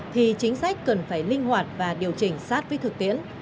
thì chính sách cần phải linh hoạt và điều chỉnh sát với thực tiễn